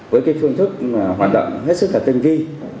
với phương thức hoạt động rất tinh vi